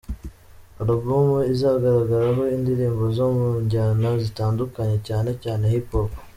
alubumu izagaragaraho indirimbo zo mu njyana zitandukanye cyane cyane hip hop.